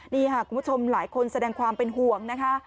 นี่ค่ะคุณผู้ชมหลายคนแสดงความเป็นห่วงนะคะ